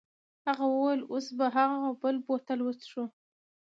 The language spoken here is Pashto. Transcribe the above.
هغه وویل اوس به هغه بل بوتل وڅښو.